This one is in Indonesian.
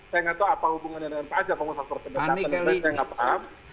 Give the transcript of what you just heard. saya nggak tahu apa hubungannya dengan pak ajak pak musa sastro tengah pak neset saya nggak paham